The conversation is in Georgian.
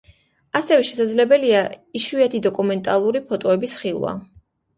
ასევე შესაძლებელია იშვიათი დოკუმენტალური ფოტოების ხილვა.